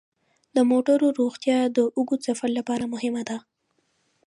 د موټرو روغتیا د اوږد سفر لپاره مهمه ده.